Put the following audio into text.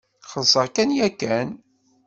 Xellseɣ-ken yakan.